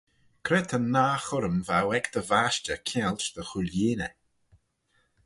Cre ta'n nah churrym v'ou ec dty vashtey kianglt dy chooilleeney?